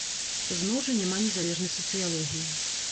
Зноў жа няма незалежнай сацыялогіі.